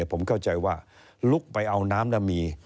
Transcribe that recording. ผมเข้าใจว่าลุกไปเอาน้ำแล้วมี